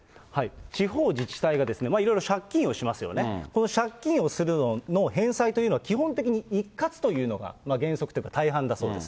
地方自治体がいわゆる借金をしますよね、この借金をするのの返済というのは基本的に一括というのが原則というか、大半だそうです。